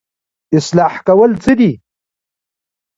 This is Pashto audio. اصلاح کول څه دي؟